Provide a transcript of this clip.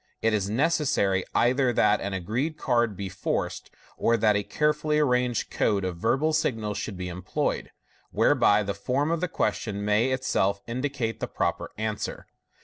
it is necessary either that an agreed card be forced, or that a carefully arranged code of verbal signals should be employed, whereby the form of the question may itself indicate the proper answer.